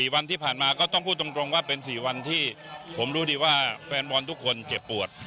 วันที่ผ่านมาก็ต้องพูดตรงว่าเป็น๔วันที่ผมรู้ดีว่าแฟนบอลทุกคนเจ็บปวด